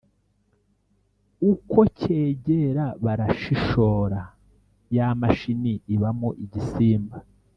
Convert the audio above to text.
Ukwo cyegera barashishora, Ya mashini ibamo igisimba.